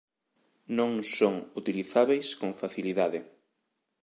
Non son utilizábeis con facilidade.